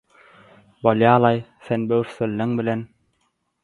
– Bolýa-laý. Seň böwürslenleň bilen...